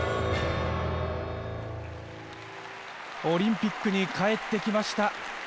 オリンピックに帰ってきました。